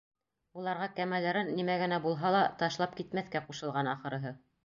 Уларға кәмәләрен, нимә генә булһа ла, ташлап китмәҫкә ҡушылған, ахырыһы.